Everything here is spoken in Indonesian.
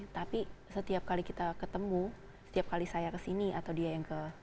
tapi setiap kali kita ketemu setiap kali saya kesini atau dia yang ke